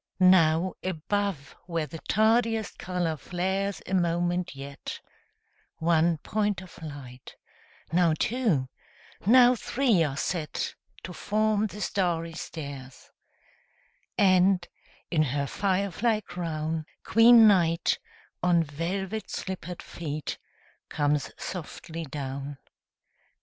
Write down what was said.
Now above where the tardiest color flares a moment yet, One point of light, now two, now three are set To form the starry stairs,— And, in her fire fly crown, Queen Night, on velvet slippered feet, comes softly down.